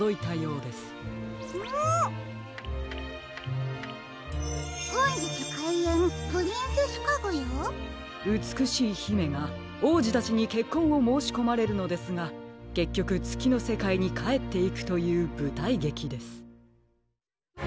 うつくしいひめがおうじたちにけっこんをもうしこまれるのですがけっきょくつきのせかいにかえっていくというぶたいげきです。